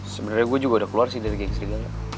sebenarnya gua juga udah keluar sih dari geng serigala